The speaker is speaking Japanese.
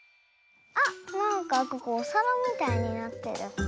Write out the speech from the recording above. あっなんかここおさらみたいになってる。